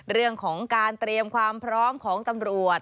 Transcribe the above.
เรื่องของการเตรียมความพร้อมของตำรวจ